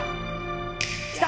来た！